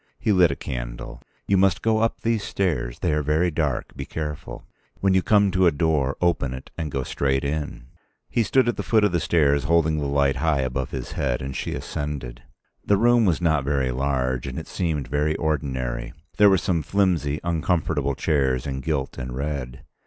He lit a candle. "You must go up these stairs. They are very dark; be careful. When you come to a door, open it and go straight in." He stood at the foot of the stairs holding the light high above his head and she ascended. The room was not very large, and it seemed very ordinary. There were some flimsy, uncomfortable chairs in gilt and red.